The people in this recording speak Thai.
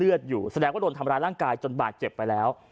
เลือดอยู่แสดงว่าหลังกายจนบาดเจ็บไปแล้ว